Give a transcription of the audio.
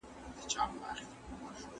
که څوک په ستونزه کي وي بايد لاسنيوی يې وسي.